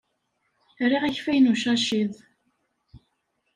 Riɣ akeffay n ucacid.